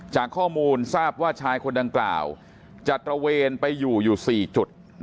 จากข้อมูลทราบว่าชายคนดังกล่าวจะเติ่มไปอยู่๔จุด